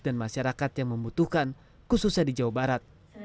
dan masyarakat yang membutuhkan khususnya di jawa barat